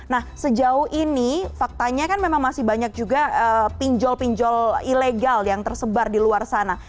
nah sejauh ini faktanya kan memang masih banyak juga pinjol pinjol ilegal yang tersebar di luar sana